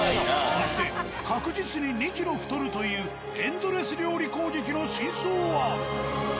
そして確実に２ｋｇ太るというエンドレス料理攻撃の真相は！？